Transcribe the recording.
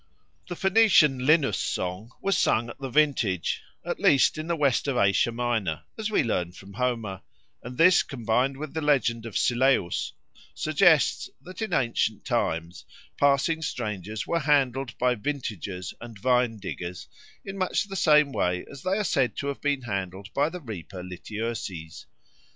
The Phoenician Linus song was sung at the vintage, at least in the west of Asia Minor, as we learn from Homer; and this, combined with the legend of Syleus, suggests that in ancient times passing strangers were handled by vintagers and vine diggers in much the same way as they are said to have been handled by the reaper Lityerses.